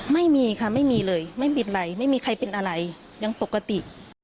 ไม่มีค่ะไม่มีเลยไม่มีอะไรไม่มีใครเป็นอะไรยังปกติ